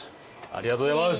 ありがとうございます。